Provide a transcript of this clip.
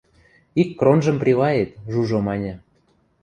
– Ик кронжым привает, – Жужо маньы.